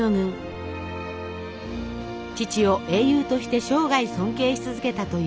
父を英雄として生涯尊敬し続けたというデュマ。